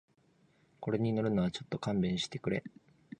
これに乗るのはちょっと勘弁してくれ